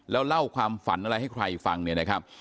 แล้วเล่าความฝันอะไรให้ใครฟังเนี่ยนะครับ